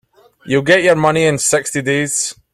You'll get your money in sixty days.